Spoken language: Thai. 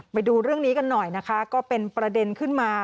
ไปดูเรื่องนี้กันหน่อยนะคะก็เป็นประเด็นขึ้นมา